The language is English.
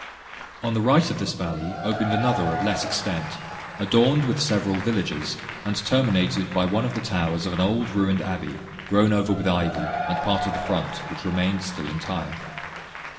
On the right of this valley opened another of less extent, adorned with several villages, and terminated by one of the towers of an old ruined abby, grown over with ivy, and part of the front, which remained still entire.